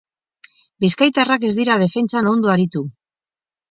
Bizkaitarrak ez dira defentsan ondo aritu.